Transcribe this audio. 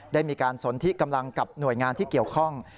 ได้มีการสนทิกำลังกับหน่วยงานที่เกี่ยวข้อง